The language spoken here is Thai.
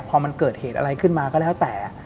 พอมันเกิดเหตุอะไรขึ้นมาก็แล้วแต่